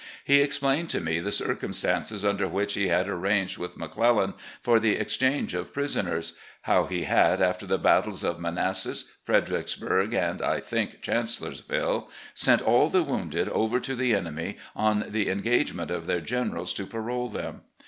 He explained to me the circtunstances under which he had arranged with McClellan for the exchange of prisoners; how he had, after the battles of Manassas, Fredericksburg, and (I think) Chancellorsville, sent all the woimded over to the enemy on the engagement of their generals to parole them.